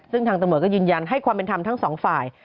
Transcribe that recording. ซึ่งทางตำรวจก็ยืนยันให้ความเป็นธรรมทั้งสองฝ่าย